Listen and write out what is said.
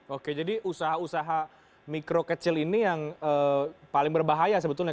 oke jadi usaha usaha mikro kecil ini yang paling berbahaya sebetulnya